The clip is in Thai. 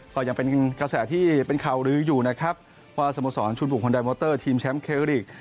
ก็ยังเป็นกระแสที่เป็นข่าวลื้ออยู่นะครับว่าสโมสรชุดบุคคลไดมอเตอร์ทีมแชมป์เครลีก